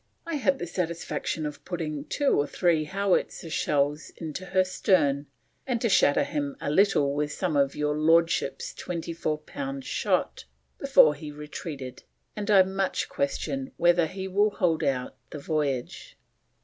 I had the satisfaction of putting 2 or 3 hautvizier shells into her stern and to shatter him a little with some of your Lordship's 24 pound shot, before he retreated, and I much question whether he will hold out the voyage."